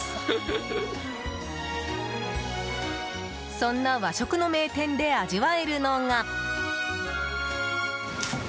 そんな和食の名店で味わえるのが。